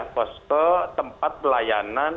posko tempat pelayanan